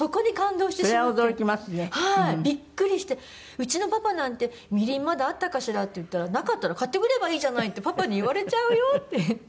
「うちのパパなんて“みりんまだあったかしら？”って言ったら“なかったら買ってくればいいじゃない”ってパパに言われちゃうよ」って言って。